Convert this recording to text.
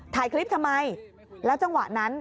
ถ่ายคลิปทำไมแล้วจังหวะนั้น